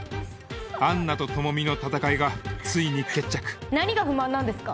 アンナと朋美の戦いがついに決着何が不満なんですか？